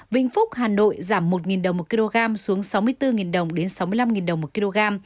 vĩnh phúc hà nội giảm một đồng một kg xuống sáu mươi bốn đồng đến sáu mươi năm đồng một kg